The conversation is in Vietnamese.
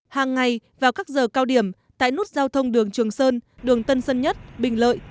hàng ngày vào các giờ cao điểm tại nút giao thông đường trường sơn đường tân sơn nhất bình lợi